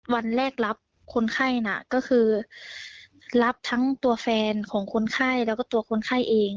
วันแรกรับคนไข้น่ะก็คือรับทั้งตัวแฟนของคนไข้แล้วก็ตัวคนไข้เอง